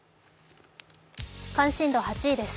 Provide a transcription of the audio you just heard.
関心度８位です。